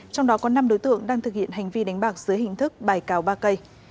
trong đó có năm đối tượng đang thực hiện hành vi đánh bạc dưới hình thức bài cào ba cây